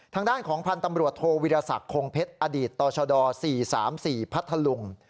ทางด้านของพันธุ์ตำรวจโทรวิราศักดิ์โครงเพชรอดีตต่อชาวดอร์๔๓๔พัทธลุง